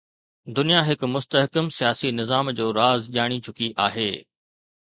دنيا هڪ مستحڪم سياسي نظام جو راز ڄاڻي چڪي آهي.